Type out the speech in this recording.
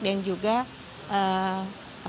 dan juga di kongsi